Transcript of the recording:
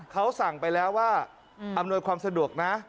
เขาสั่งไปแล้วว่าอำนวยความสะดวกนะ